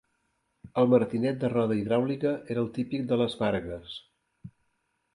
El martinet de roda hidràulica era el típic de les fargues.